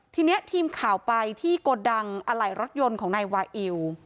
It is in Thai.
ทีนี้ทีมข่าวไปที่โกดังอะไหล่รถยนต์ของนายวาอิว